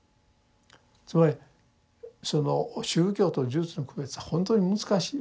つまりその宗教と呪術の区別はほんとに難しい。